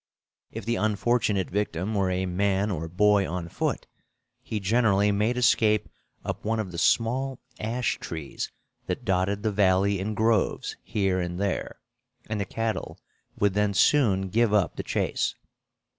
If the unfortunate victim were a man or boy on foot, he generally made escape up one of the small ash trees that dotted the valley in groves here and there, and the cattle would then soon give up the chase.